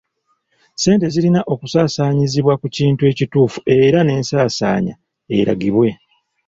Ssente zirina okusaasaanyizibwa ku kintu ekituufu era n'ensaasaanya eragibwe.